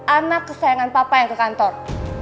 anak kesayangan papa yang ke kantor